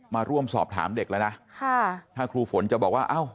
มาร่วมสอบถามเด็กแล้วนะค่ะถ้าครูฝนจะบอกว่าเอ้า